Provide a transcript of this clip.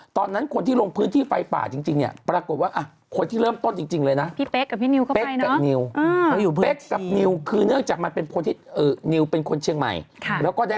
ตอนนั้นคนที่ลงพื้นที่ไฟป่าจริงนี่